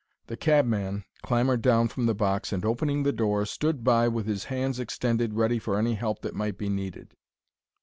The cabman clambered down from the box and, opening the door, stood by with his hands extended ready for any help that might be needed.